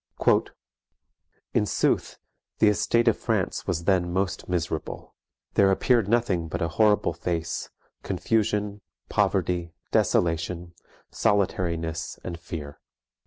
"In sooth, the estate of France was then most miserable. There appeared nothing but a horrible face, confusion, poverty, desolation, solitarinesse, and feare.